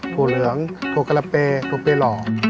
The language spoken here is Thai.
ถั่วเหลืองถั่วกะละเปถั่วเปหล่อ